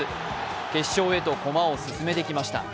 決勝へと駒を進めてきました。